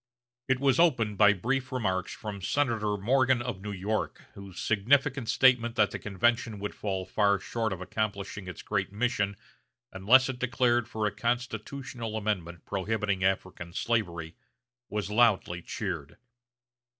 It was opened by brief remarks from Senator Morgan of New York, whose significant statement that the convention would fall far short of accomplishing its great mission unless it declared for a Constitutional amendment prohibiting African slavery, was loudly cheered.